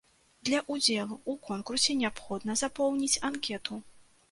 Для ўдзелу ў конкурсе неабходна запоўніць анкету.